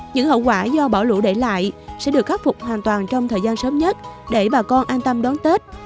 những hậu quả do bão lũ để lại sẽ được khắc phục hoàn toàn trong thời gian sớm nhất để bà con an tâm đón tết